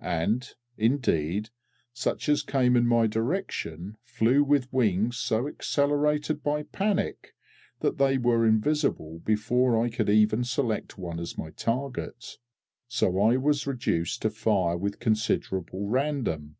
And, indeed, such as came in my direction flew with wings so accelerated by panic that they were invisible before I could even select one as my target, so I was reduced to fire with considerable random.